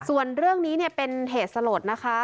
ส่วนเรื่องนี้เนี่ยเป็นเหตุสลดนะคะ